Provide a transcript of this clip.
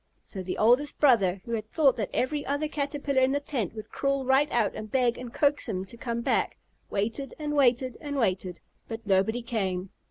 So the oldest brother, who had thought that every other Caterpillar in the tent would crawl right out and beg and coax him to come back, waited and waited and waited, but nobody came.